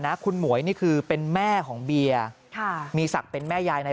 คุณหมวยนี่คือเป็นแม่ของเบียร์ค่ะมีศักดิ์เป็นแม่ยายใน